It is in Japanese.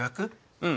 うん。